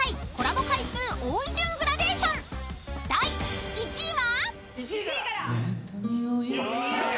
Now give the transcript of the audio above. ［第１位は？］